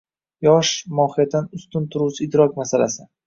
Yosh – mohiyatdan ustun turuvchi idrok masalasi.